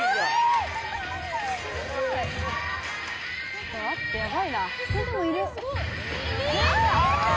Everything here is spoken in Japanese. ちょっと待ってヤバいな。